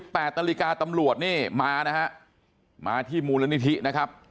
แปดนาฬิกาตำรวจนี่มานะฮะมาที่มูลนิธินะครับ